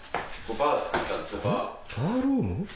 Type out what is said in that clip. バールーム？